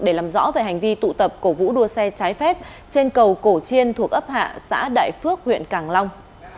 để làm rõ về hành vi tụ tập cổ vũ đua xe trái phép trên cầu cổ chiên thuộc ấp hạ xã đại phước huyện càng long